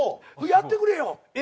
やってくれよ！